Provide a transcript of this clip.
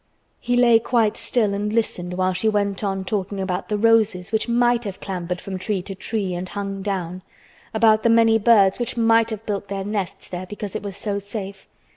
He lay quite still and listened while she went on talking about the roses which might have clambered from tree to tree and hung down—about the many birds which might have built their nests there because it was so safe.